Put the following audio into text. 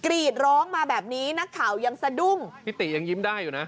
กรีดร้องมาแบบนี้นักข่าวยังสะดุ้งพี่ติยังยิ้มได้อยู่นะ